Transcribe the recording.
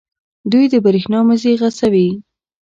دوی د بریښنا مزي غځوي.